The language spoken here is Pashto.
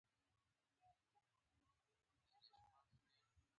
د امپارو دا اصل د مکسیکو له کال له اساسي قانون سرچینه اخلي.